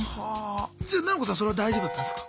じゃあななこさんそれは大丈夫だったんすか？